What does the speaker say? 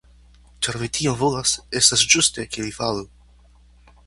Ĉar vi tion volas, estas ĝuste ke li falu.